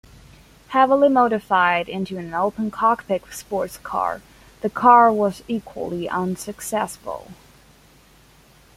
Heavily modified into an open cockpit sportscar, the car was equally unsuccessful.